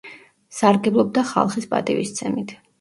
სარგებლობდა ხალხის პატივისცემით.